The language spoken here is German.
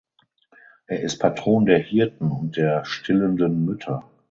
Er ist Patron der Hirten und der stillenden Mütter.